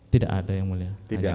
tidak ada yang mulia